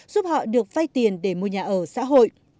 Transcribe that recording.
giúp họ được vay tiền để mua nhà ở xã hội